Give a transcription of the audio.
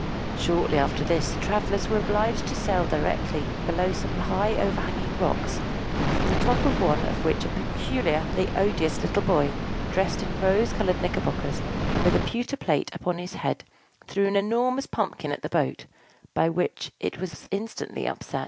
Shortly after this, the travellers were obliged to sail directly below some high overhanging rocks, from the top of one of which a particularly odious little boy, dressed in rose colored knickerbockers, and with a pewter plate upon his head, threw an enormous pumpkin at the boat, by which it was instantly upset.